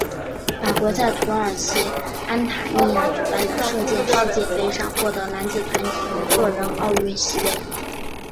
法国在土耳其安塔利亚举办的射箭世界杯上获得男子团体和个人的奥运席位。